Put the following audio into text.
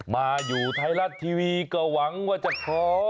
มาอยู่ไทยรัฐทีวีก็หวังว่าจะท้อ